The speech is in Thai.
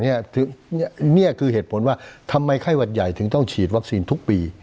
นี่คือเหตุผลว่าทำไมไข้หวัดใหญ่ถึงต้องฉีดวัคซีนทุกปี